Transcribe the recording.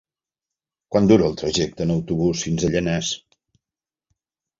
Quant dura el trajecte en autobús fins a Llanars?